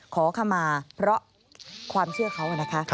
ขอคำมาเพราะความเชื่อเขานะคะ